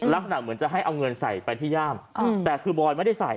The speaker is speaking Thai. ลักษณะเหมือนจะให้เอาเงินใส่ไปที่ย่ามแต่คือบอยไม่ได้ใส่